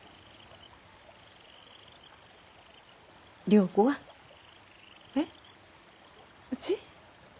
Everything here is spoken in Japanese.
良子は？えっ？うち？